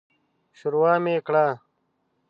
ښوروا مې کړه.